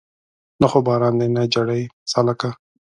نه خو باران دی نه جړۍ سالکه